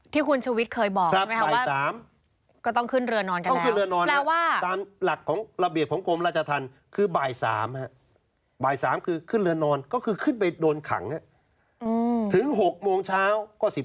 ที่คุณชวิตเคยบอกใช่ไหมครับบ่าย๓ก็ต้องขึ้นเรือนนอนกันแล้ว